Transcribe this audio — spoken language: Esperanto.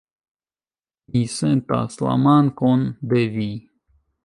Mi sentas la mankon de vi.